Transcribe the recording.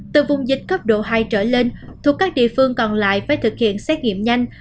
từ vùng dịch cấp độ hai trở lên thuộc các địa phương còn lại phải thực hiện xét nghiệm nhanh